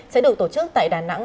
sẽ được tổ chức tại đà nẵng